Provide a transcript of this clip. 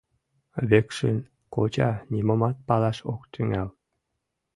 Векшин коча нимомат палаш ок тӱҥал.